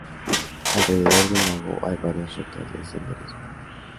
Alrededor del lago hay varias rutas de senderismo.